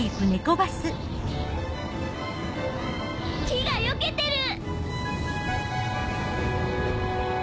木がよけてる！